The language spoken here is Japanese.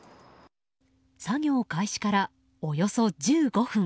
作業開始から、およそ１５分。